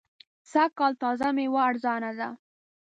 سږ کال تازه مېوه ارزانه ده.